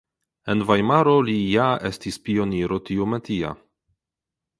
En Vajmaro li ja estis pioniro tiumetia.